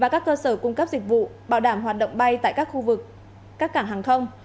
các cơ sở cung cấp dịch vụ bảo đảm hoạt động bay tại các khu vực các cảng hàng không